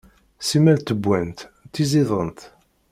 Simmal ttewwant, ttiẓident.